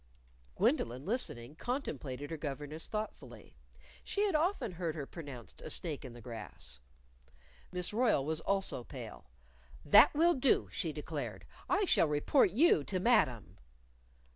Gwendolyn, listening, contemplated her governess thoughtfully. She had often heard her pronounced a snake in the grass. Miss Royle was also pale. "That will do!" she declared. "I shall report you to Madam."